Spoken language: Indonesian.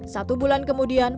satu bulan kemudian